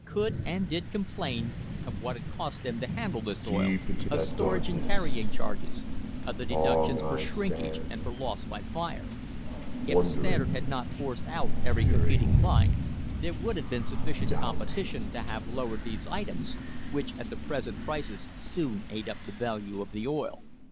ROCKEFELLER By Eastman Johnson THE STANDARD OIL COMPANY AND POLITICS and did complain of what it cost them to handle this oil, of storage and carrying charges, of the deductions for shrink age and for loss by fire. If the Standard had not forced out every competing line, there would have been sufficient com petition to have lowered these items which at the present prices soon ate up the value of oil.